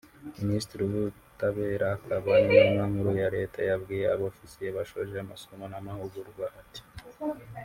Minisitiri w’Ubutabera akaba n’Intumwa Nkuru ya Leta yabwiye Abofisiye bashoje amasomo n’amahugurwa ati